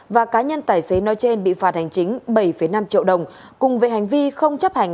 và cá nhân tài xế nói trên bị phạt hành chính bảy năm triệu đồng cùng với hành vi không chấp hành